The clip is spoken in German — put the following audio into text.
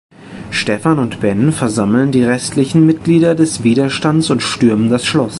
Stefan und Ben versammeln die restlichen Mitglieder des Widerstands und stürmen das Schloss.